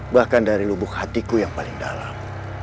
bahkan dari lubuk hatiku yang paling dalam